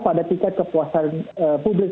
pada tingkat kepuasan publik